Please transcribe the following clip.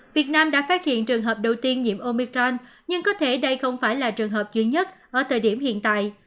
việt nam đã phát hiện trường hợp đầu tiên nhiễm omicron nhưng có thể đây không phải là trường hợp duy nhất ở thời điểm hiện tại